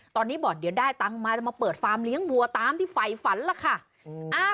ตอนนี้บอกเดี๋ยวได้ตังค์มาจะมาเปิดฟาร์มเลี้ยงวัวตามที่ไฟฝันล่ะค่ะ